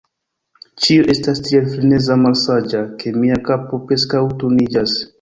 Ĉio estas tiel freneze malsaĝa, ke mia kapo preskaŭ turniĝas.